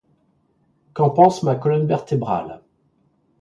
Qu'en pense ma colonne vertébrale.